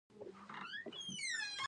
د ګاو زبان ګل د څه لپاره وکاروم؟